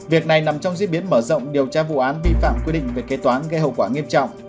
việc này nằm trong diễn biến mở rộng điều tra vụ án vi phạm quy định về kế toán gây hậu quả nghiêm trọng